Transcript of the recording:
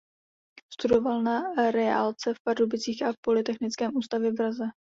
Studoval na reálce v Pardubicích a na polytechnickém ústavě v Praze.